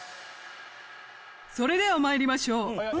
それでは参りましょう。